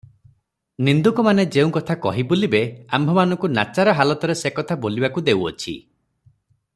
ନିନ୍ଦୁକମାନେ ଯେଉଁ କଥା କହି ବୁଲିବେ, ଆମ୍ଭମାନଙ୍କୁ ନାଚାର ହାଲତରେ ସେ କଥା ବୋଲିବାକୁ ହେଉଅଛି ।